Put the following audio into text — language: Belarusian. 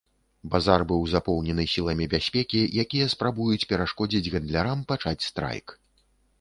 Базар быў запоўнены сіламі бяспекі, якія спрабуюць перашкодзіць гандлярам пачаць страйк.